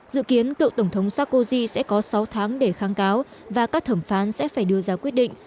dự kiến cựu tổng thống sarkozy sẽ có sáu tháng để kháng cáo và các thẩm phán sẽ phải đưa ra quyết định